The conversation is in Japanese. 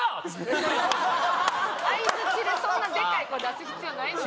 相づちでそんなでかい声出す必要ないのに。